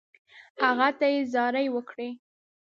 هغه ته یې زارۍ وکړې.